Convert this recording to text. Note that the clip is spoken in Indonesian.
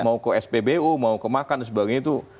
mau ke spbu mau ke makan dan sebagainya itu